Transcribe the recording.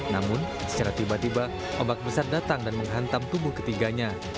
namun secara tiba tiba ombak besar datang dan menghantam tubuh ketiganya